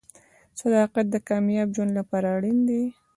• صداقت د کامیاب ژوند لپاره اړین دی.